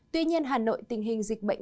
tuy nhiên hà nội tình hình dịch bệnh